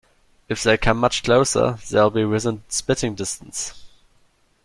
If they come much closer, they'll be within spitting distance.